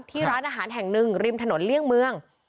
ร้านอาหารแห่งหนึ่งริมถนนเลี่ยงเมือง